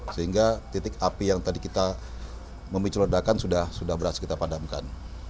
sehingga titik api yang tadi kita memicu ledakan sudah berhasil kita padamkan